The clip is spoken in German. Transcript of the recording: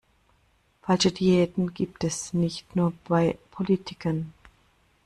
Falsche Diäten gibt es nicht nur bei Politikern.